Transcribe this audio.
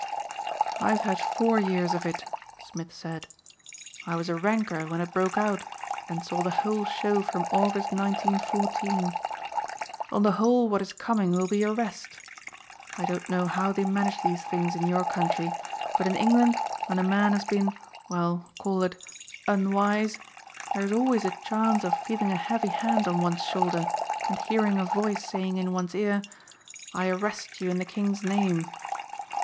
"I've had four years of it," Smith said. "I was a ranker when it broke out and saw the whole show from August 1914. On the whole what is coming will be a rest. I don't know how they manage these things in your country but in England when a man has been, well call it unwise, there is always a chance of feeling a heavy hand on one's shoulder and hearing a voice saying in one's ear, 'I arrest you in the King's name!'